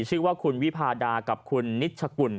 ชื่อว่าคุณวิพาดากับคุณนิชกุล